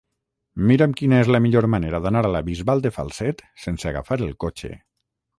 Mira'm quina és la millor manera d'anar a la Bisbal de Falset sense agafar el cotxe.